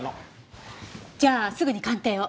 じゃあすぐに鑑定を。